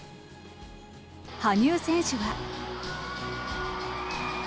羽生選手は。